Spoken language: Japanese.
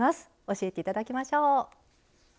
教えていただきましょう。